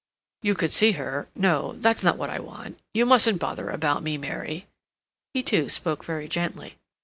"You could see her—no, that's not what I want; you mustn't bother about me, Mary." He, too, spoke very gently.